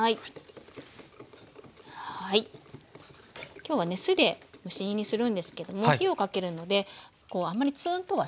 今日はね酢で蒸し煮にするんですけども火をかけるのであんまりツンとはしないんですね。